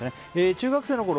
中学生のころ